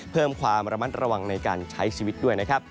เพิ่มความระมัดระวังในการใช้ชีวิตด้วยนะครับ